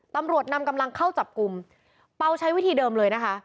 ตำรวจนำเข้าจับกลุ่มเผาใช้วิธีเดิมเลย